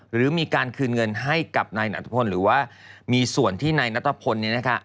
หรือมีการคืนเงินให้กับนายนัทพลหรือว่ามีส่วนที่นายนัทพลเนี่ยนะคะ